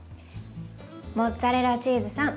モッツァレラチーズさん